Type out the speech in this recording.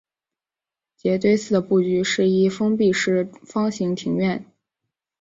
杰堆寺的布局是一封闭式方形庭院。